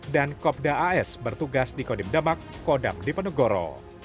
dan kopda as bertugas di kodim demak kodam diponegoro